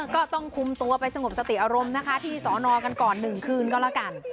ก็ต้องคุมตัวไปสงบสติอารมณ์นะคะที่สอนอกันก่อน๑คืนก็แล้วกัน